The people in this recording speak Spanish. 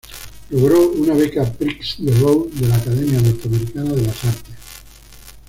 Logró una beca "Prix de Rome" de la Academia Norteamericana de las Artes.